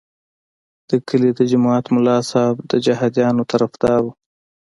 د کلي د جومات ملا صاحب د جهادیانو طرفدار وو.